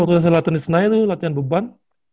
waktu saya latihan di senai tuh latihan beban